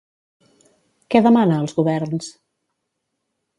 Què demana als governs?